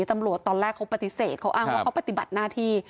ตำรวจตอนแรกเขาปฏิเสธเขาอ้างว่าเขาปฏิบัติหน้าที่